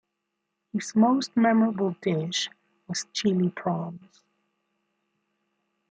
His most memorable dish was Chili Prawns.